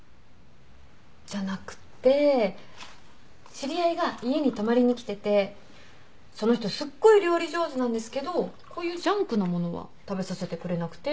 じゃなくて知り合いが家に泊まりに来ててその人すっごい料理上手なんですけどこういうジャンクな物は食べさせてくれなくて。